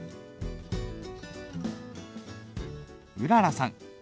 うららさん。